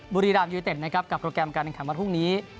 บุรีรามยูนิเต็ดนะครับกับโปรแกรมการแข่งขันวันพรุ่งนี้